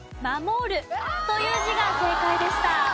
「守る」という字が正解でした。